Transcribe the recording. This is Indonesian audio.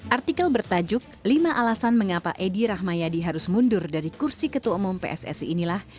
artikel bertajuk lima alasan mengapa edi rahmayadi harus mundur dari kursi ketua umum pssi inilah